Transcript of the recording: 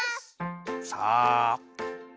さあ。